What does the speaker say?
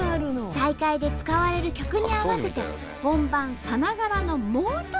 大会で使われる曲に合わせて本番さながらの猛特訓！